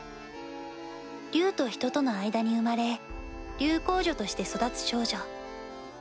竜と人との間に生まれ竜皇女として育つ少女。